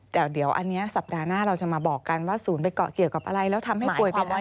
แต่เดี๋ยวอันนี้สัปดาห์หน้าเราจะมาบอกกันว่าศูนย์ไปเกาะเกี่ยวกับอะไรแล้วทำให้ป่วยเป็นไร